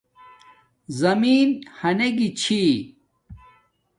زمین ھانگی چھی